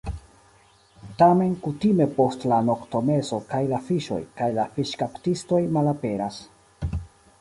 Tamen kutime post la noktomezo kaj la fiŝoj, kaj la fiŝkaptistoj malaperas.